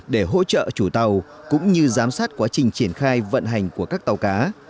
để hỗ trợ chủ tàu cũng như giám sát quá trình triển khai vận hành của các tàu cá